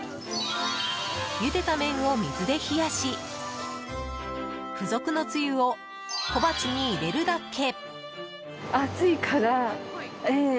ゆでた麺を水で冷やし付属のつゆを小鉢に入れるだけ。